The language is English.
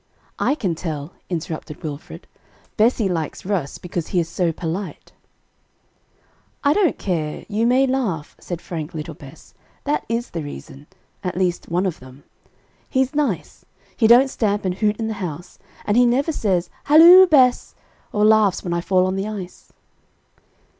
"I can tell," interrupted Wilfred, "Bessie likes Russ because he is so polite." "I don't care, you may laugh," said frank little Bess; "that is the reason at least, one of them. He's nice; he don't stamp and hoot in the house, and he never says, 'Halloo Bess,' or laughs when I fall on the ice."